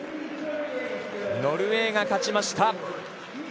ノルウェーが勝ちました。